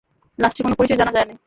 লাশটির কোনো পরিচয় জানা যায় নাই।